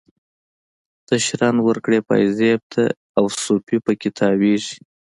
ته شرنګ ورکړي پایزیب ته، او صوفي په کې تاویږي